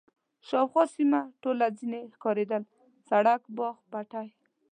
شاوخوا سیمه ټوله ځنې ښکارېدل، سړک، باغ، پټی.